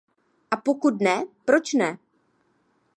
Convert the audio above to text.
A pokud ne, proč ne?